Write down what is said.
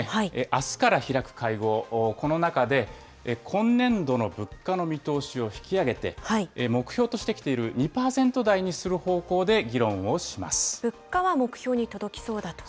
あすから開く会合、この中で今年度の物価の見通しを引き上げて、目標としてきている２％台にする物価は目標に届きそうだと。